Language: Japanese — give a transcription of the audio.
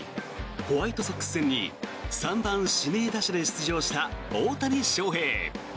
ホワイトソックス戦に３番指名打者で出場した大谷翔平。